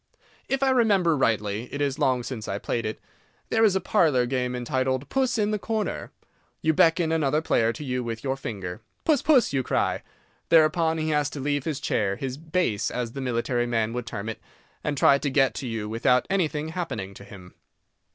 If I remember rightly—it is long since I played it—there is a parlour game entitled "Puss in the Corner." You beckon another player to you with your finger. "Puss, puss!" you cry. Thereupon he has to leave his chair—his "base," as the military man would term it—and try to get to you without anything happening to him.